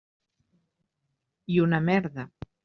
I una merda!